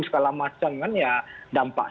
segala macam kan ya dampak